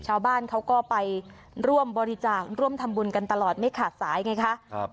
ชาวบ้านเขาก็ไปร่วมบริจาคร่วมทำบุญกันตลอดไม่ขาดสายไงคะครับ